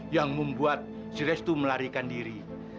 yang membuat si restu melarikan diri